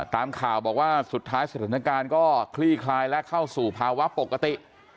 ตามข่าวบอกว่าสุดท้ายสถานการณ์ก็คลี่คลายและเข้าสู่ภาวะปกติ